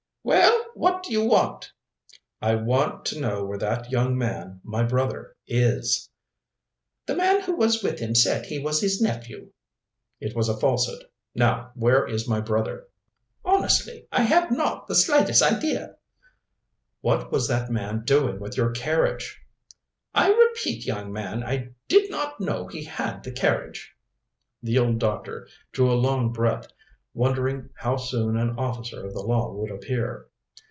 "Well, what do you want?" "I want to know where that young man, my brother, is." "The man who was with him said he was his nephew." "It was a falsehood. Now where is my brother?" "Honestly, I have not the slightest idea." "What was that man doing with your carriage?" "I repeat, young man, I did not know he had the carriage." The old doctor drew a long breath, wondering how soon an officer of the law would appear.